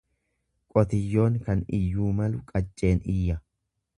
Qotiyyoon kan iyyuu malu qacceen iyya.